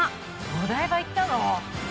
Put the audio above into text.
お台場行ったの？